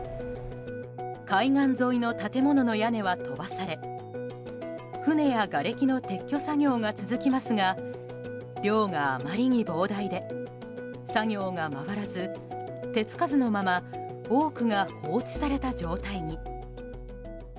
海岸沿いの建物の屋根は飛ばされ船や、がれきの撤去作業が続きますが量があまりに膨大で作業が回らず手付かずのまま多くが放置された状態に。